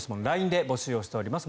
ＬＩＮＥで募集をしております。